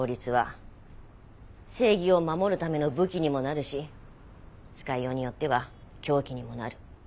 正義を守るための武器にもなるし使いようによっては凶器にもなる。